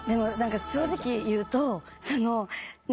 正直言うと。